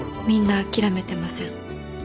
みんな諦めてません。